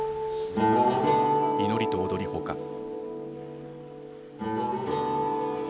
「祈りと踊り」ほか。